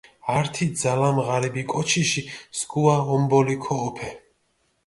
ართი ძალამი ღარიბი კოჩიში სქუა ომბოლი ქოჸოფე.